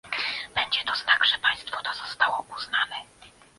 Będzie to znak, że państwo to zostało uznane